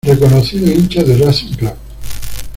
Reconocido hincha de Racing Club.